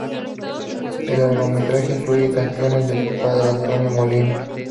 El largometraje incluye canciones de su padre, Antonio Molina.